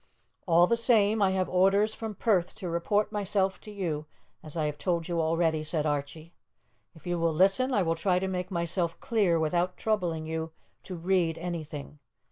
"All the same, I have orders from Perth to report myself to you, as I have told you already," said Archie. "If you will listen, I will try to make myself clear without troubling you to read anything.